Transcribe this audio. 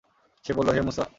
সে বলল, হে মূসা!